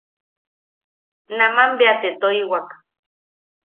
Naman bea te toiwak.